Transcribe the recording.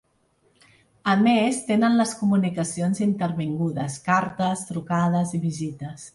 A més, tenen les comunicacions intervingudes: cartes, trucades i visites.